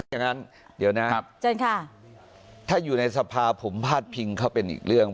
อย่างนั้นเดี๋ยวนะเชิญค่ะถ้าอยู่ในสภาผมพาดพิงเขาเป็นอีกเรื่อง